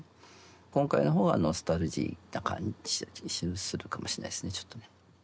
今回の方はノスタルジーな感じが一瞬するかもしれないですねちょっとね。